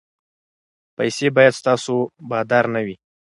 پیسې باید ستاسو بادار نه وي.